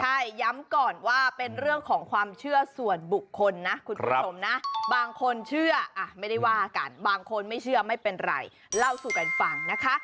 ใช่ย้ำก่อนว่าเป็นเรื่องของความเชื่อส่วนบุคคลนะคุณผู้ชมนะบางคนเชื่อไม่ได้ว่ากันบางคนไม่เชื่อไม่เป็นไรเล่าสู่กันฟังนะคะ